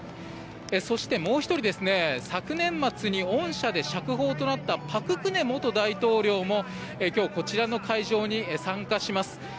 そして、もう１人昨年末に恩赦で釈放となった朴槿惠元大統領も今日こちらの会場に参加します。